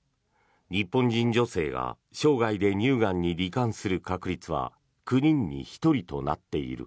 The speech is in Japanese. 日本人女性が生涯で乳がんにり患する確率は９人に１人となっている。